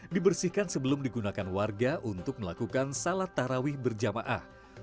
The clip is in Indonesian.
dibersihkan sebelum digunakan warga untuk melakukan salat tarawih berjamaah